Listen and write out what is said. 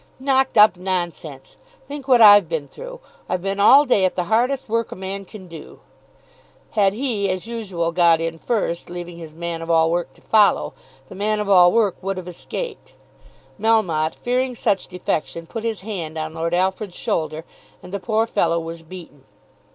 "Knocked up, nonsense! Think what I've been through. I've been all day at the hardest work a man can do." Had he as usual got in first, leaving his man of all work to follow, the man of all work would have escaped. Melmotte, fearing such defection, put his hand on Lord Alfred's shoulder, and the poor fellow was beaten.